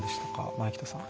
前北さん。